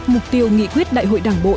mục tiêu nghị quyết đại hội đảng bộ